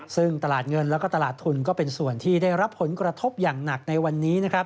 ซึ่งตลาดเงินแล้วก็ตลาดทุนก็เป็นส่วนที่ได้รับผลกระทบอย่างหนักในวันนี้นะครับ